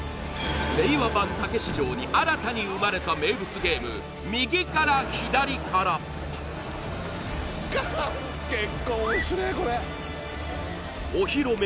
令和版・たけし城に新たに生まれた名物ゲーム右から左から結構おもしれえこれお披露目